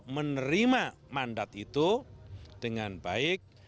menerima mandat itu dengan baik